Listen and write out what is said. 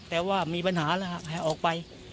แต่ว่ามีปัญหาแล้วให้ออกไป